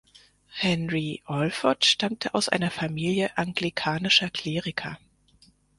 Henry Alford stammte aus einer Familie anglikanischer Kleriker.